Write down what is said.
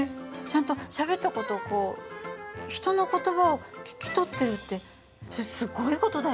ちゃんとしゃべった事をこう人の言葉を聞き取ってるってそれすごい事だよね。